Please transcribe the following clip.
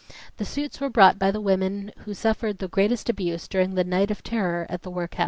The suits were brought by the women woo suffered the greatest abuse during the "night of terror" at the workhouse.